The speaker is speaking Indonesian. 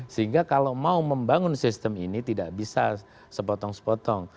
sehingga kalau mau membangun sistem ini tidak bisa sepotong sepotong